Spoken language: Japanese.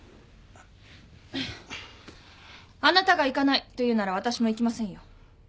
あなたが行かないというなら私も行きませんよ。